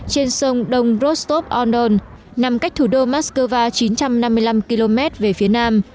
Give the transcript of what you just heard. trên sông đông rostov on don nằm cách thủ đô moskova chín trăm năm mươi năm km về phía nam